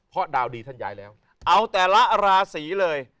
เพราะดาวดีท่านย้ายแล้วเอาแต่ละราศีเลย